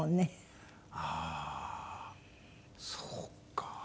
ああーそうか。